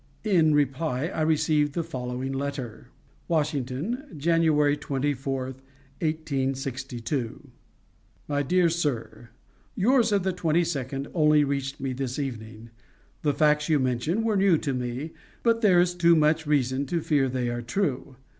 In reply I received the following letter: WASHINGTON, January 24, 1862. MY DEAR SIR: Yours of the 22d only reached me this evening. The facts you mention were new to me, but there is too much reason to fear they are true.